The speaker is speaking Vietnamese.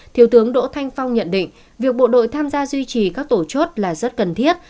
thiếu tướng đỗ thanh phong nhận định việc bộ đội tham gia duy trì các tổ chốt là rất cần thiết